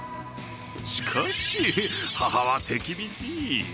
しかし、母は手厳しい。